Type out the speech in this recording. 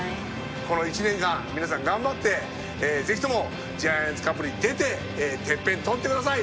この一年間皆さん頑張ってぜひともジャイアンツカップに出ててっぺん取ってください。